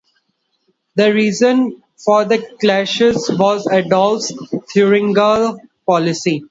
The reason for the clashes was Adolf's Thuringia policy.